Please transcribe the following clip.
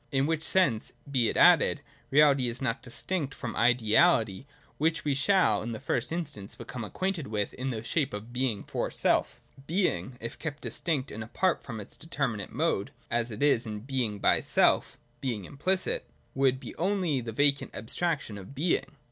In which sense, be it added, reality is not distinct from the ideality which we shall in the first instance become acquainted with in the shape of Being for self 92.] (/3) Being, if kept distinct and apart from its deter minate mode, as it is in Being by self (Being implicit), would be only the vacant abstraction of Being.